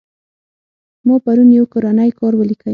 ما پرون يو کورنى کار وليکى.